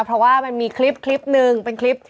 เพราะว่ามันมีคลิปนึงเป็นคลิป